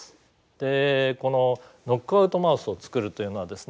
でこのノックアウトマウスを作るというのはですね